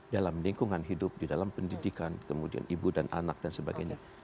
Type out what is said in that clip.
dalam lingkungan hidup di dalam pendidikan kemudian ibu dan anak dan sebagainya